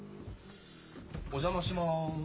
お邪魔します。